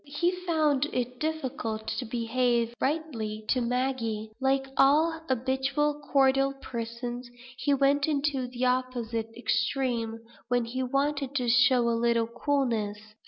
He found it difficult to behave rightly to Maggie. Like all habitually cordial persons, he went into the opposite extreme, when he wanted to show a little coolness.